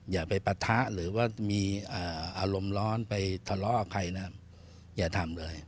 อย่าไปปะทะหรือว่ามีอารมณ์ร้อนไปทะเลาะกับใครนะอย่าทำเลย